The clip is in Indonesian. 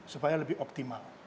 supaya lebih optimal